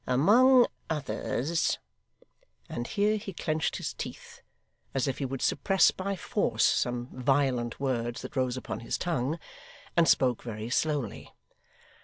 Among others ' and here he clenched his teeth, as if he would suppress by force some violent words that rose upon his tongue; and spoke very slowly.